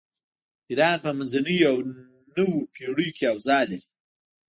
ایران په منځنیو او نویو پیړیو کې اوضاع لري.